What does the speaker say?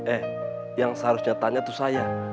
eh yang seharusnya tanya itu saya